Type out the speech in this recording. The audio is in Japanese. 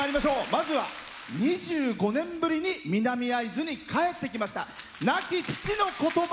まずは、２５年ぶりに南会津に帰ってきました。